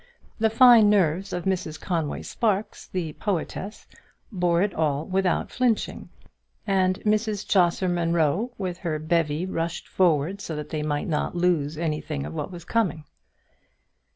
The fine nerves of Mrs Conway Sparkes, the poetess, bore it all without flinching; and Mrs Chaucer Munro with her bevy rushed forward so that they might lose nothing of what was coming.